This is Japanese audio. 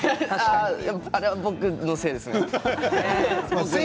あれは僕のせいでは。